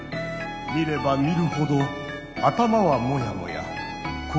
見れば見るほど頭はモヤモヤ心もモヤモヤ。